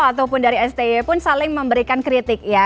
ataupun dari sti pun saling memberikan kritik ya